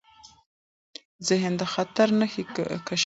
ذهن د خطر نښې کشفوي.